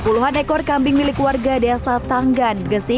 puluhan ekor kambing milik warga desa tanggan gesi